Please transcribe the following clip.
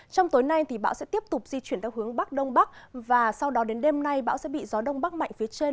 trong tối nay bão sẽ tiếp tục di chuyển theo hướng bắc đông bắc và sau đó đến đêm nay bão sẽ bị gió đông bắc mạnh phía trên